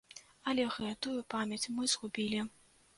Але гэтую памяць мы згубілі.